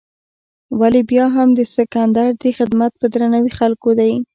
ولې بیا هم د سکندر دې خدمت په درناوي خلکو دی.